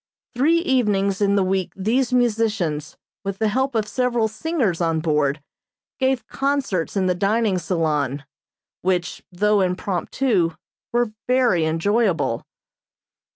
Three evenings in the week these musicians, with the help of several singers on board, gave concerts in the dining salon, which, though impromptu, were very enjoyable.